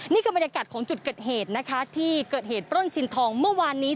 นี่คือบรรยากาศของจุดเกิดเหตุนะคะที่เกิดเหตุปล้นชินทองเมื่อวานนี้